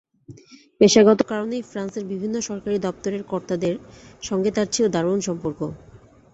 পেশাগত কারণেই ফ্রান্সের বিভিন্ন সরকারি দপ্তরের কর্তাদের সঙ্গে তাঁর ছিল দারুণ সম্পর্ক।